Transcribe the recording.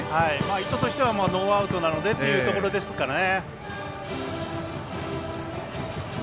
意図としてはノーアウトなのでというところですからね。